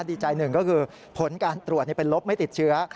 ดีใจหนึ่งก็คือผลการตรวจเป็นลบไม่ติดเชื้อ